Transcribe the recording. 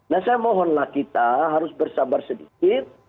nah saya mohonlah kita harus bersabar sedikit